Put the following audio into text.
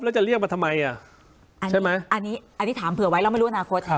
แล้วจะเรียกมาทำไมอ่ะใช่ไหมอันนี้อันนี้ถามเผื่อไว้เราไม่รู้อนาคต